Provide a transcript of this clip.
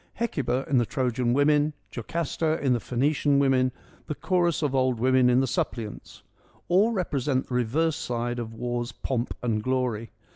Hecuba in the Trojan Women, Jocasta in the Phoenician Women, the chorus of old women in the Suppliants : all represent the reverse side of war's pomp and glory.